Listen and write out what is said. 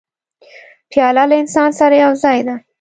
پیاله له انسان سره یو ځای ده.